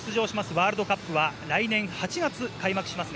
ワールドカップは来年８月開幕します。